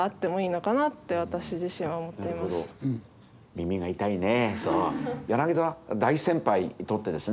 耳が痛いね。